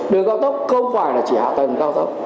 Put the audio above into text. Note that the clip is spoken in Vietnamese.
đường cao tốc không phải là chỉ hạ tầng cao tốc